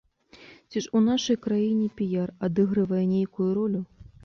Ці ж у нашай краіне піяр адыгрывае нейкую ролю?!